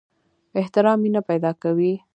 احترام مینه پیدا کوي